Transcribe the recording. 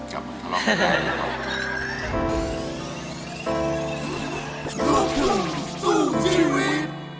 กลับมาทะเลาะกับยาย